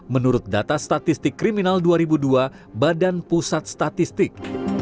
menurut data statistik kriminal dua ribu dua badan pusat statistik